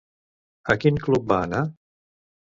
A quin club va anar?